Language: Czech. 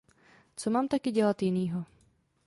Co mám taky dělat jinýho.